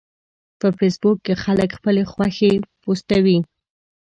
په فېسبوک کې خلک خپلې خوښې پوسټوي